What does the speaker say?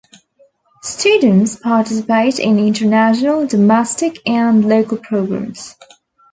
Students participate in international, domestic, and local programs.